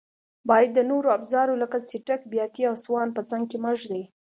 باید د نورو افزارو لکه څټک، بیاتي او سوان په څنګ کې مه ږدئ.